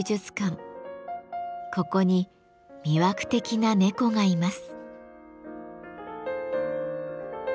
ここに魅惑的な猫がいます。